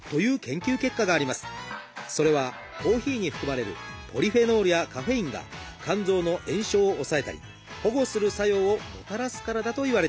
それはコーヒーに含まれるポリフェノールやカフェインが肝臓の炎症を抑えたり保護する作用をもたらすからだといわれています。